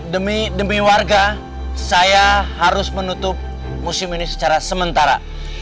demi demi warga saya harus menutup musim ini secara sementara